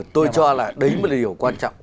tôi cho là đấy là điều quan trọng